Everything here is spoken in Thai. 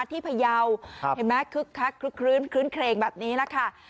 ที่พยาวเห็นไหมคลึ้นเครงแบบนี้ล่ะค่ะ